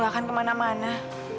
ibu akan kemana mana